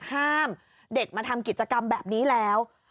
ห้ามเด็กมาทำกิจกรรมแบบนี้แล้ว